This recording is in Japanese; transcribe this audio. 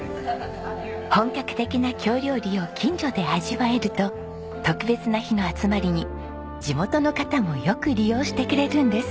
本格的な京料理を近所で味わえると特別な日の集まりに地元の方もよく利用してくれるんです。